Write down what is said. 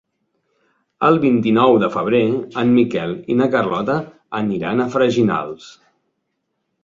El vint-i-nou de febrer en Miquel i na Carlota aniran a Freginals.